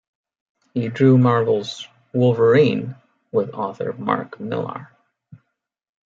He drew Marvel's "Wolverine" with author Mark Millar.